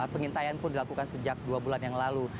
pengintaian pun dilakukan sejak dua bulan yang lalu